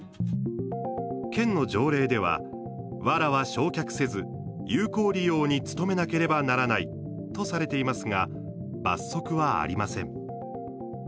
県の条例では「わらは焼却せず、有効利用に務めなければならない」とされていますが罰則はありません。